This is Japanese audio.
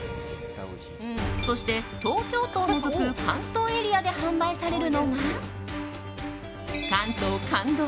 そして、東京都を除く関東エリアで販売されるのが関東感動！